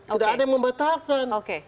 tidak ada yang membatalkan